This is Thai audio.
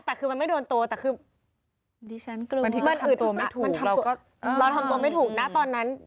แต่คือมันไม่โดนตัวแต่คือมันทำตัวไม่ถูกเราก็เราทำตัวไม่ถูกนะตอนนั้น